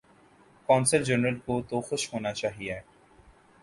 قونصل جنرل کو تو خوش ہونا چاہیے۔